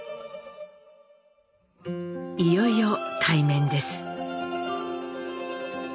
いよいよ対面です。